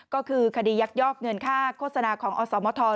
ก็คือคดียักยอกเงินค่าโฆษณาของอสมท